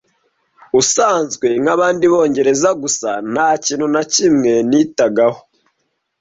usanzwe nk’abandi bongereza gusa nta kintu na kimwe nitagaho